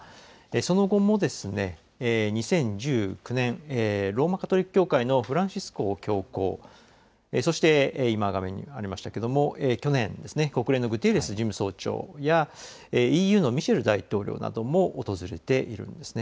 その後も２０１９年、ローマ・カトリック教会のフランシスコ教皇、そして今画面にありましたけれども、去年ですね、国連のグテーレス事務総長やＥＵのミシェル大統領なども訪れているんですね。